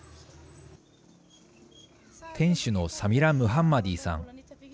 店主のサミラ・ムハンマディさん。